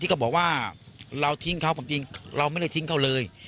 ที่เขาบอกว่าเราทิ้งเขาจริงเราไม่ได้ทิ้งเขาเลย